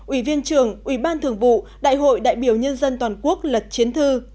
ủy viên trưởng ủy ban thường vụ đại hội đại biểu nhân dân toàn quốc lật chiến thư